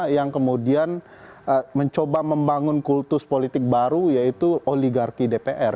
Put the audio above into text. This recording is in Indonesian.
yang kemudian mencoba membangun kultus politik baru yaitu oligarki dpr